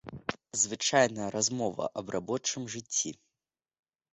Звычайная размова аб рабочым жыцці.